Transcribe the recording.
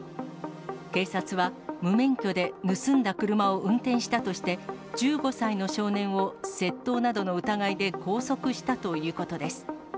警察は、無免許で盗んだ車を運転したとして、１５歳の少年を窃盗などの疑いで拘束したということです。